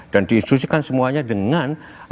dan diinstruksikan semuanya dengan